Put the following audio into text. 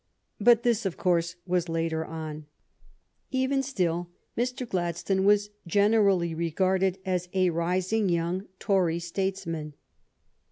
But this, of course, was later on. Even still, Mr. Gladstone was generally regarded as a rising young Tory statesman.